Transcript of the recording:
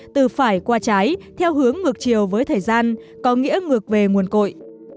từ phải qua trái theo hướng ngược chiều với thời gian có nghĩa ngược về nguồn cội